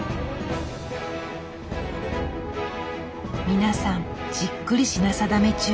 皆さんじっくり品定め中。